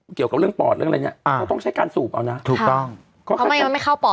ถูกต้องเพราะมันยังไม่เข้าปอดใช่ไหมครับ